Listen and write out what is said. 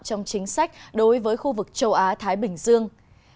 trong chính sách đối với khu vực châu á thái bình dương